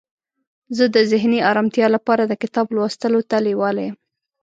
زه د ذهني آرامتیا لپاره د کتاب لوستلو ته لیواله یم.